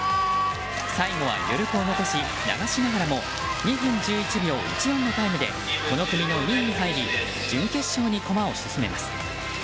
最後は余力を残し、流しながらも２分１１秒１４のタイムでこの組の２位に入り準決勝に駒を進めます。